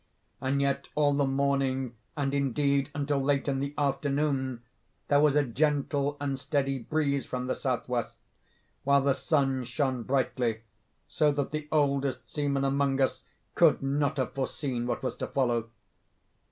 And yet all the morning, and indeed until late in the afternoon, there was a gentle and steady breeze from the south west, while the sun shone brightly, so that the oldest seaman among us could not have foreseen what was to follow.